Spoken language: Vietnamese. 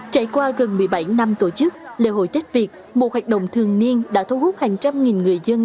trải qua gần một mươi bảy năm tổ chức lễ hội tết việt một hoạt động thường niên đã thu hút hàng trăm nghìn người dân